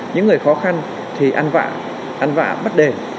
những người khó khăn thì ăn vạ ăn vạ bắt đề